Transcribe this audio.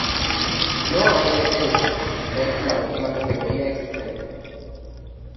No hay descensos al ser la última categoría existente.